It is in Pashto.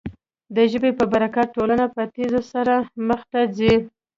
د ژبې په برکت ټولنه په تېزۍ سره مخ ته ځي.